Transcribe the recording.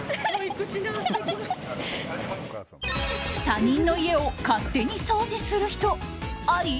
他人の家を勝手に掃除する人あり？